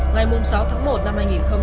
ngày sáu tháng một năm hai nghìn hai mươi